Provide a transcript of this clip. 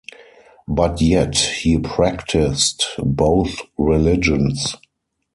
But yet he practiced both religions.